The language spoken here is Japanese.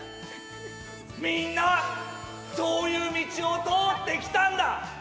みんなそういう道を通ってきたんだ。